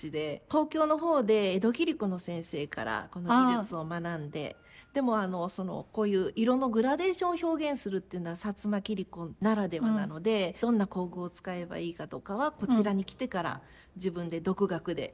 東京の方で江戸切子の先生からこの技術を学んででもあのこういう色のグラデーションを表現するっていうのは摩切子ならではなのでどんな工具を使えばいいかとかはこちらに来てから自分で独学で。